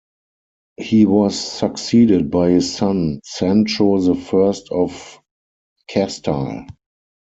He was succeeded by his son, Sancho the First of Castile.